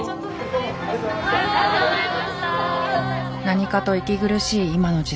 何かと息苦しい今の時代。